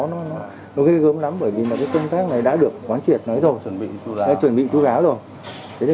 nó ghê gớm lắm bởi vì công tác này đã được quán triệt rồi đã chuẩn bị chú giáo rồi